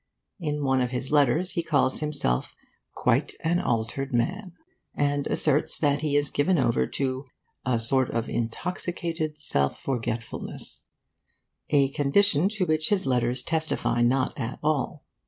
In one of his letters he calls himself 'quite an altered man,' and asserts that he is given over to 'a sort of intoxicated self forgetfulness' a condition to which his letters testify not at all.